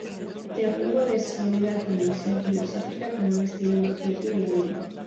Teólogo de sólida formación filosófica con un estilo muy propio y ameno.